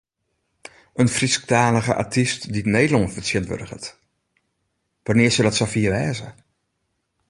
In Frysktalige artyst dy’t Nederlân fertsjintwurdiget: wannear sil it safier wêze?